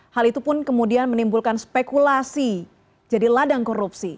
hal itu pun kemudian menimbulkan spekulasi jadi ladang korupsi